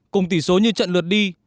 cùng tỷ số như trận lượt đi